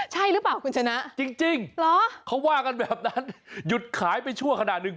ใช่หรือเปล่าคุณชนะจริงเขาว่ากันแบบนั้นหยุดขายไปชั่วขนาดหนึ่ง